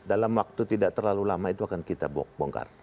dalam waktu tidak terlalu lama itu akan kita bongkar